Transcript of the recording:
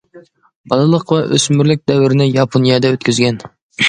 بالىلىق ۋە ئۆسمۈرلۈك دەۋرىنى ياپونىيەدە ئۆتكۈزگەن.